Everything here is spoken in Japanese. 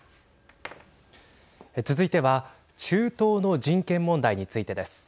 続いては中東の人権問題についてです。